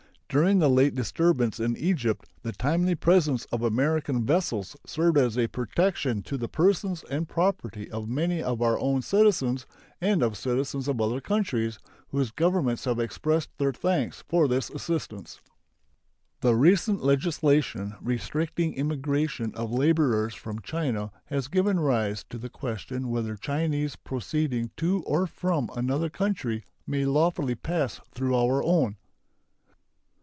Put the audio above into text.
During the late disturbance in Egypt the timely presence of American vessels served as a protection to the persons and property of many of our own citizens and of citizens of other countries, whose governments have expressed their thanks for this assistance. The recent legislation restricting immigration of laborers from China has given rise to the question whether Chinese proceeding to or from another country may lawfully pass through our own.